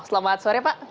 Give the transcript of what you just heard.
selamat sore pak